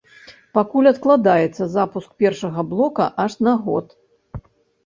Пакуль адкладаецца запуск першага блока аж на год.